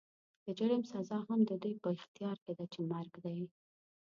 د جرم سزا هم د دوی په اختيار کې ده چې مرګ دی.